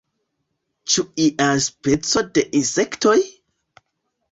Ĉu ia speco de insektoj?